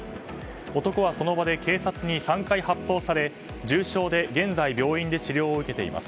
男はその場で警察に３回発砲され重傷で現在、病院で治療を受けています。